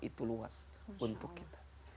itu luas untuk kita